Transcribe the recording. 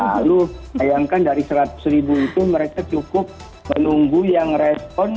lalu bayangkan dari seratus ribu itu mereka cukup menunggu yang respon